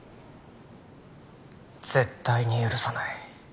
絶対に許さない。